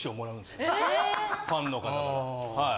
ファンの方からはい。